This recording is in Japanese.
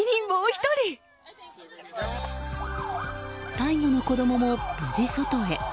最後の子供も無事、外へ。